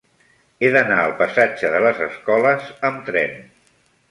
He d'anar al passatge de les Escoles amb tren.